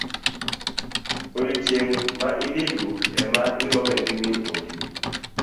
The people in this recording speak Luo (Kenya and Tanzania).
Odiochieng' ma idhi duk ema irome gi min odi.